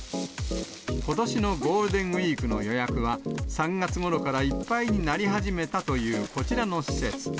ことしのゴールデンウィークの予約は、３月ごろからいっぱいになり始めたというこちらの施設。